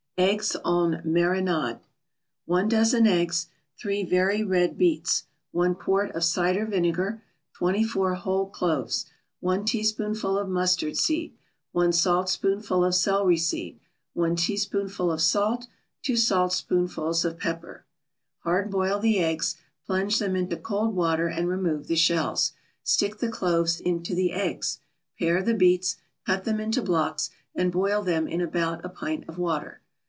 EGGS EN MARINADE 1 dozen eggs 3 very red beets 1 quart of cider vinegar 24 whole cloves 1 teaspoonful of mustard seed 1 saltspoonful of celery seed 1 teaspoonful of salt 2 saltspoonfuls of pepper Hard boil the eggs; plunge them into cold water and remove the shells. Stick the cloves into the eggs. Pare the beets, cut them into blocks and boil them in about a pint of water.